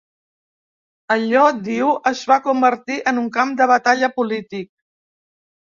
Allò, diu, es va convertir en un “camp de batalla polític”.